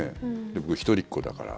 僕、一人っ子だから。